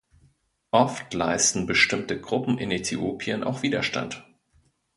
Oft leisten bestimmte Gruppen in Äthiopien auch Widerstand.